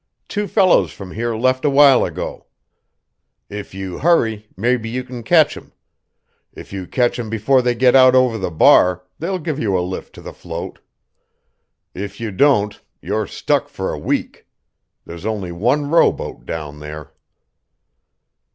Two fellows from here left awhile ago. If you hurry, maybe you can catch 'em. If you catch 'em before they get out over the bar, they'll give you a lift to the float. If you don't, you're stuck for a week. There's only one rowboat down there."